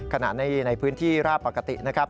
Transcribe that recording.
ขณะในพื้นที่ราบปกตินะครับ